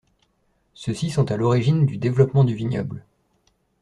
Ceux-ci sont à l'origine du développement du vignoble.